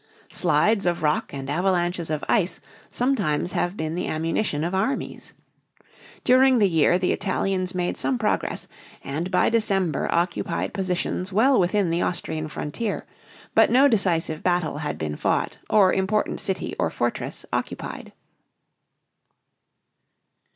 Slides of rock and avalanches of ice sometimes have been the ammunition of armies. During the year the Italians made some progress and by December occupied positions well within the Austrian frontier; but no decisive battle had been fought or important city or fortress occupied.